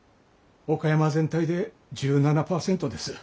岡山全体で１７％です。